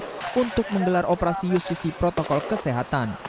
kedua duanya sudah menggelar operasi justisi protokol kesehatan